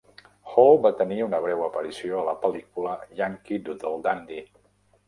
Hall va tenir una breu aparició a la pel·lícula "Yankee Doodle Dandy".